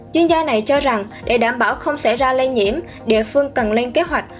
chuyên gia này cho rằng để đảm bảo không xảy ra lây nhiễm địa phương cần lên kế hoạch